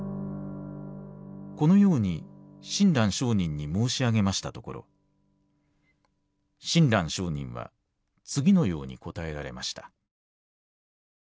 このように親鸞聖人に申しあげましたところ親鸞聖人は次のように答えられました。